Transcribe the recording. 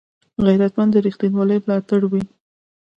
غیرتمند د رښتینولۍ ملاتړی وي